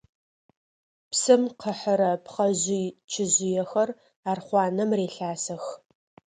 Псым къыхьырэ пхъэжъый-чыжъыехэр архъуанэм релъасэх.